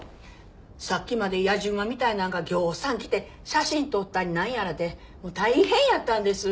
さっきまでやじ馬みたいなんがぎょうさん来て写真撮ったり何やらでもう大変やったんです。